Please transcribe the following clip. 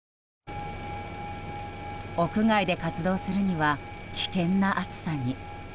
屋外で活動するには危険な暑さに。